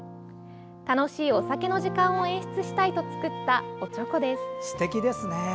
楽しいお酒の時間を演出したいと作ったおちょこです。